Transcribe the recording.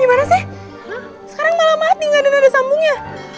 gimana sih sekarang malah mati ga ada nade sambungnya